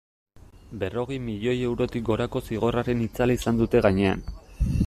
Berrogei milioi eurotik gorako zigorraren itzala izan dute gainean.